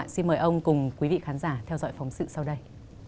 xin mời ông cùng quý vị khán giả theo dõi phóng sự sau đây